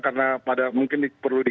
karena mungkin perlu dikawal